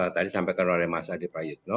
tadi sampaikan oleh mas adi prayitno